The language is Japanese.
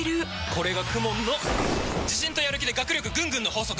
これがＫＵＭＯＮの自信とやる気で学力ぐんぐんの法則！